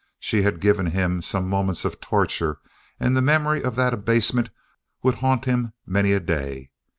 She had given him some moments of torture and the memory of that abasement would haunt him many a day.